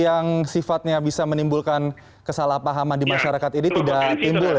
yang sifatnya bisa menimbulkan kesalahpahaman di masyarakat ini tidak timbul ya